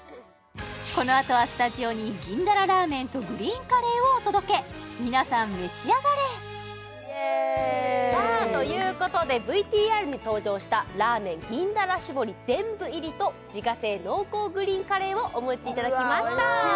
このあとはスタジオに銀だらラーメンとグリーンカレーをお届け皆さん召し上がれということでＶＴＲに登場したらーめん銀だら搾りと自家製濃厚グリーンカレーをお持ちいただきました